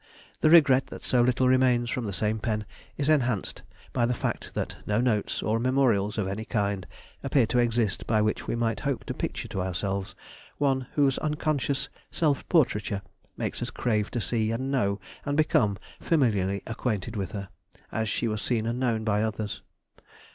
The regret that so little remains from the same pen is enhanced by the fact that no notes, or memorials of any kind, appear to exist by which we might hope to picture to ourselves one whose unconscious self portraiture makes us crave to see and know and become familiarly acquainted with her, as she was seen and known by others.